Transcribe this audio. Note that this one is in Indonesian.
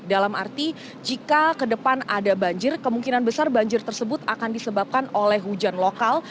dalam arti jika ke depan ada banjir kemungkinan besar banjir tersebut akan disebabkan oleh hujan lokal